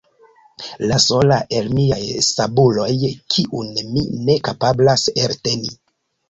La sola el miaj subuloj, kiun mi ne kapablas elteni.